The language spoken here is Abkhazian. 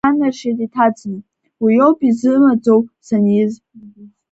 Маӡак санаршьеит иҭаӡны, уиоуп изымаӡоу саниз.